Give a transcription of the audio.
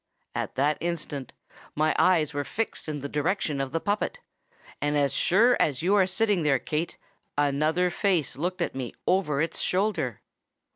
At that instant my eyes were fixed in the direction of the puppet; and, as sure as you are sitting there, Kate, another face looked at me over its shoulder!"